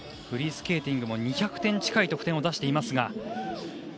フリースケーティングも２００点近い得点を出しています。